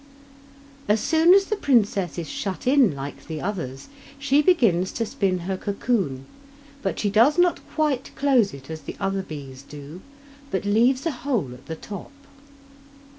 As soon as the princess is shut in like the others, she begins to spin her cocoon, but she does not quite close it as the other bees do, but leaves a hole at the top.